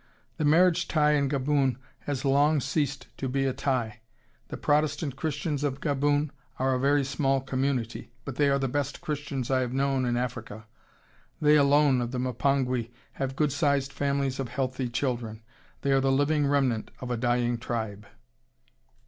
The marriage tie in Gaboon has long ceased to be a "tie."... The Protestant Christians of Gaboon are a very small community; but they are the best Christians I have known in Africa. They alone of the Mpongwe have good sized families of healthy children. They are the living remnant of a dying tribe.